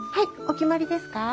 お決まりですか？